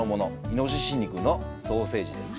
イノシシ肉のソーセージです。